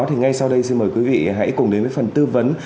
thì ngay sau đây xin mời quý vị hãy cùng đến với phần tư vấn